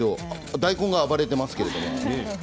大根が暴れていますけどね。